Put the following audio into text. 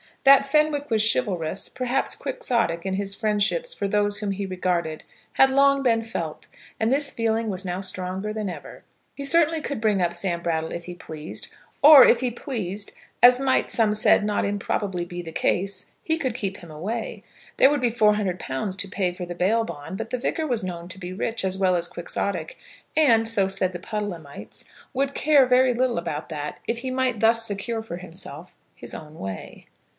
That Fenwick was chivalrous, perhaps Quixotic, in his friendships for those whom he regarded, had long been felt, and this feeling was now stronger than ever. He certainly could bring up Sam Brattle if he pleased; or, if he pleased, as might, some said, not improbably be the case, he could keep him away. There would be £400 to pay for the bail bond, but the Vicar was known to be rich as well as Quixotic, and, so said the Puddlehamites, would care very little about that, if he might thus secure for himself his own way.